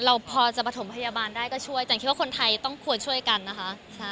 เราพอจะประถมพยาบาลได้ก็ช่วยแต่คิดว่าคนไทยต้องควรช่วยกันนะคะ